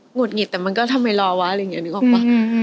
ุดหงิดแต่มันก็ทำไมรอวะอะไรอย่างนี้นึกออกป่ะ